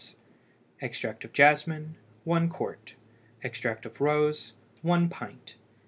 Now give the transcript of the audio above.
Extract of jasmine 1 qt. Extract of rose 1 pint.